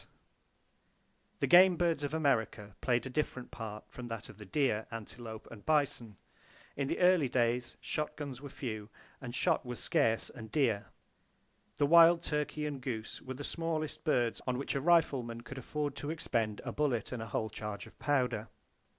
The game birds of America played a different part from that of the deer, antelope and bison. In the early days, shotguns were few, and shot was scarce and dear. The wild turkey and goose were the smallest birds on which a rifleman could afford to expend a bullet and a whole charge of powder.